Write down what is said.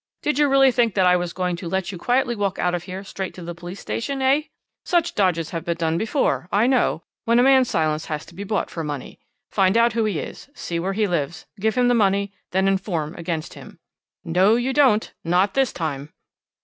Did you really think that I was going to let you quietly walk out of here, straight to the police station, eh? Such dodges have been done before, I know, when a man's silence has to be bought for money. Find out who he is, see where he lives, give him the money, then inform against him. No you don't! not this time.